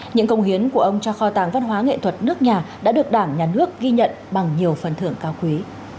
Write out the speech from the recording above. những công hiến của ông cho kho tàng văn hóa nghệ thuật nước nhà đã được đảng nhà nước ghi nhận bằng nhiều phần thưởng cao quý